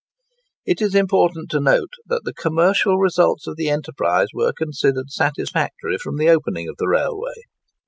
It is important to note that the commercial results of the enterprise were considered satisfactory from the opening of the railway.